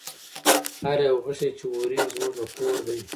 هر یو غشی چي واریږي زموږ له کور دی